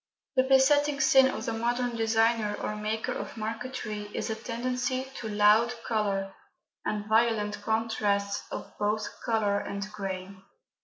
The besetting sin of the modern designer or maker of marquetry is a tendency to "loud" colour and violent contrasts of both colour and grain.